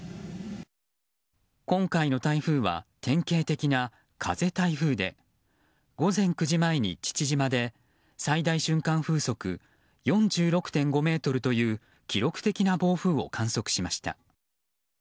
今回の台風は典型的な風台風で午前９時前に、父島で最大瞬間風速４６．５メートルという記録的な暴風を観測しました。